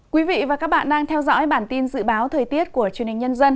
quý vị và các bạn đang theo dõi bản tin dự báo thời tiết của truyền hình nhân dân